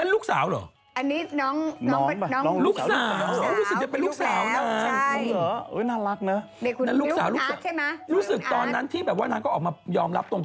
ลูกสาวรู้สึกตอนนั้นที่ออกมายอมรับตรง